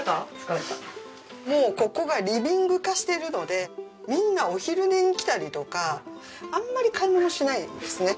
もうここがリビング化してるのでみんなお昼寝に来たりとかあんまり買い物しないですね。